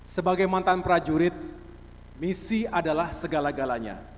sebagai mantan prajurit misi adalah segala galanya